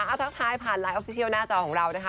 เอาทักทายผ่านไลน์ออฟฟิเชียลหน้าจอของเรานะคะ